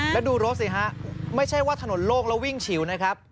แล้วดูรถสิฮะไม่ใช่ว่าถนนโล่งแล้ววิ่งฉิวนะครับ